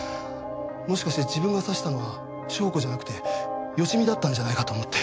もしかして自分が刺したのは翔子じゃなくて芳美だったんじゃないかと思って。